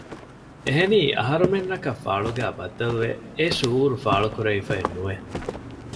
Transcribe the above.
އެހެނީ އަހަރުމެންނަކަށް ފާޅުގައި ބައްދަލުވެ އެ ޝުއޫރު ފާޅު ކުރެވިފައެއް ނުވެ